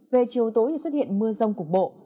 về chiều tối thì xuất hiện mưa rông cục bộ